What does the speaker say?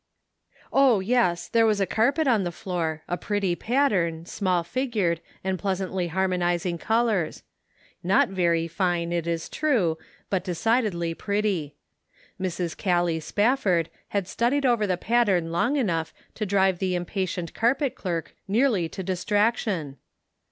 " Oh, yes, there was a carpet on the floor, a pretty pattern, small figured, and pleasantly harmonizing colors; not very fine, it is true, but decidedly pretty. Mrs. Callie Spafford had studied over the pattern long enough to drive the impatient carpet clerk nearly to distraction.